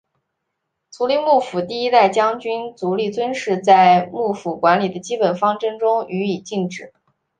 足利幕府第一代将军足利尊氏在幕府管理的基本方针中予以禁止。